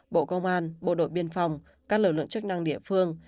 bộ công an bộ đội biên phòng các lực lượng chức năng địa phương